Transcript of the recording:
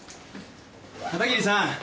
・片桐さん。